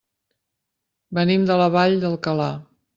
Venim de la Vall d'Alcalà.